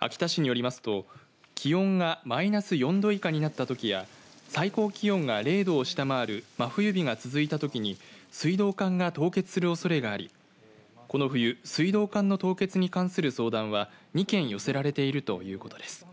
秋田市によりますと気温がマイナス４度以下になったときや最高気温が０度を下回る真冬日が続いたときに水道管が凍結するおそれがありこの冬、水道管の凍結に関する相談は２件寄せられているということです。